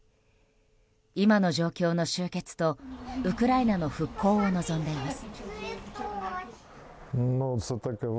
今の状況の終結と、ウクライナの復興を望んでいます。